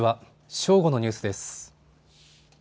正午のニュースです。